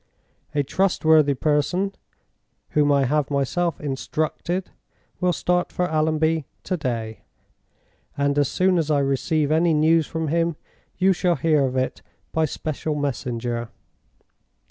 A trustworthy person, whom I have myself instructed, will start for Allonby to day, and as soon as I receive any news from him, you shall hear of it by special messenger.